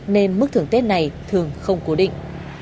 nên mức thưởng tết này thường không cố định